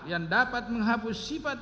yang dapat menghapus sifat